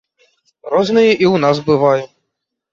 Рознае і ў нас бывае.